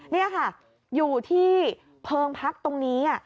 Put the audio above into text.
นี่ค่ะอยู่ที่เพิงพักตรงนี้